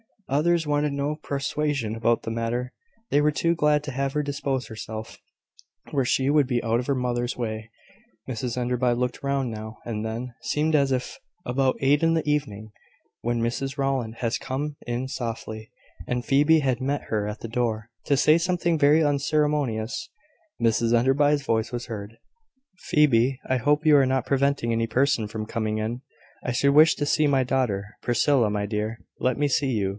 Others wanted no persuasion about the matter. They were too glad to have her dispose herself where she would be out of her mother's way. Mrs Enderby looked round now and then, and seemed as if on the point of asking for her, but that her courage failed. At last, about eight in the evening, when Mrs Rowland had come in softly, and Phoebe had met her at the door, to say something very unceremonious, Mrs Enderby's voice was heard. "Phoebe, I hope you are not preventing any person from coming in. I should wish to see my daughter. Priscilla, my dear, let me see you.